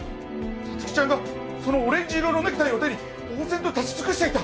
皐月ちゃんがオレンジ色のネクタイを手にぼう然と立ちつくしてた